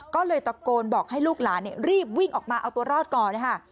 ก็เลยตะโกนบอกให้ลูกหลานรีบวิ่งออกมาเอาตัวรอดก่อนนะคะ